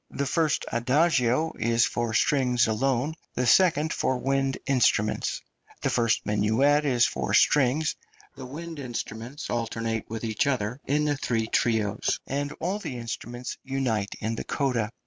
The first adagio is for strings alone, the second for wind instruments; the first minuet is for strings, the wind instruments alternate with each other in the three trios, and all the instruments unite in the coda.